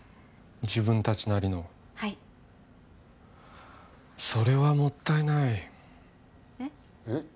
自分達なりのはいそれはもったいないえっ？えっ？